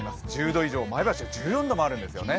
１０度以上、前橋は１４度もあるんですよね。